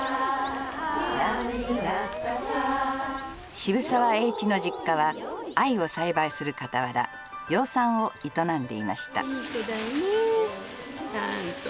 渋沢栄一の実家は藍を栽培する傍ら養蚕を営んでいました。